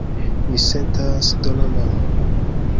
Mi sentas doloron.